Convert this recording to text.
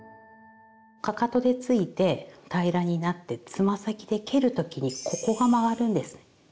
かかとでついて平らになってつま先で蹴る時にここが曲がるんです。